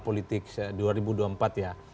politik dua ribu dua puluh empat ya